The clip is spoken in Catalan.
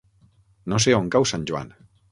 No sé on cau Sant Joan.